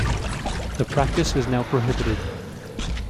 The practice is now prohibited.